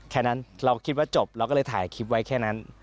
แค่นั้นเราคิดว่าจบเราก็เลยถ่ายคลิปไว้แค่นั้น